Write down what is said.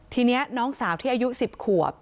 ทีนี้น้องสาวที่อายุ๑๐ขวบ